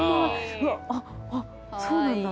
うわっあっそうなんだ。